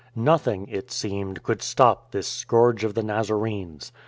Nothing (it seemed) could stop this scourge of the Nazarenes.